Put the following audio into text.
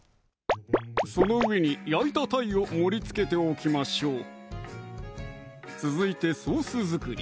その上に焼いたたいを盛りつけておきましょう続いてソース作り